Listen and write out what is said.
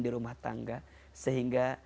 di rumah tangga sehingga